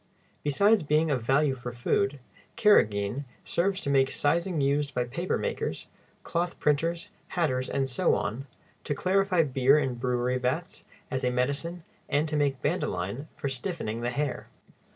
Besides being of value for food, carrageen serves to make sizing used by paper makers, cloth printers, hatters, and so on, to clarify beer in the brewery vats, as a medicine, and to make bandoline for stiffening the hair.